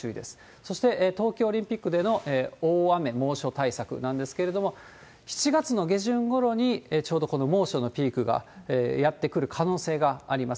そして、東京オリンピックでの大雨、猛暑対策なんですけれども、７月の下旬ごろに、ちょうどこの猛暑のピークがやって来る可能性があります。